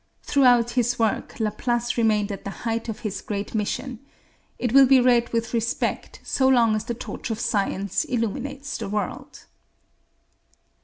Throughout his work Laplace remained at the height of his great mission. It will be read with respect so long as the torch of science illuminates the world.